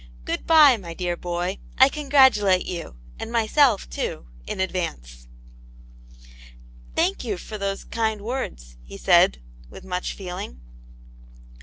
Good bye, my dear boy, I congratu late you, and m/self too, in adva^tvQe;" Aunt yaue's Hero. ?9 /' Thank you for those kind words," he said, with much feeh'ng.